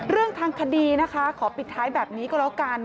เรื่องทางคดีนะคะขอปิดท้ายแบบนี้ก็แล้วกัน